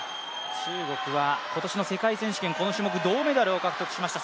中国は今年の世界選手権、この種目、銅メダルを獲得しました。